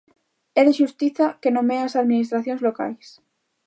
É de xustiza que nomee as administracións locais.